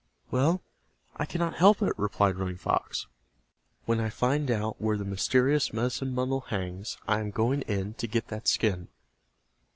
"Well, I cannot help it," replied Running Fox. "When I find out where the mysterious medicine bundle hangs I am going in to get that skin."